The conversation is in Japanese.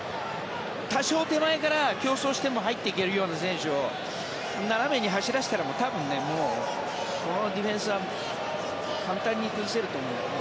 多少、手前から競争しても入っていけるような選手を斜めに走らせたら多分、このディフェンスは簡単に崩せると思う。